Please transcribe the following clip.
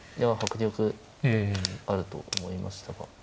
迫力あると思いましたが。